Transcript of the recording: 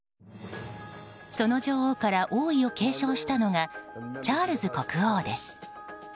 その女王から王位を継承したのがチャールズ国王です。